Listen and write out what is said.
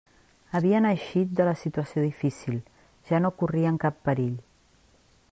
Havien eixit de la situació difícil; ja no corrien cap perill.